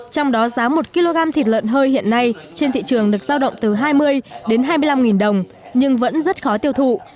trong đó giá một kg thịt lợn hơi hiện nay trên thị trường được giao động từ hai mươi đến hai mươi năm đồng nhưng vẫn rất khó tiêu thụ